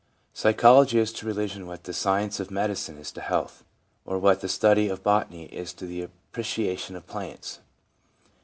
Psychology is to religion what the science of medicine is to health, or what the study of botany is to the appreciation of plants.